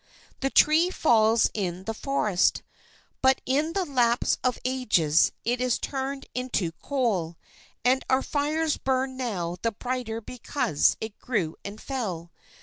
The tree falls in the forest; but in the lapse of ages it is turned into coal, and our fires burn now the brighter because it grew and fell.